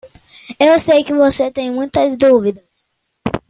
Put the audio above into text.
Eu sei que você tem muitas dúvidas.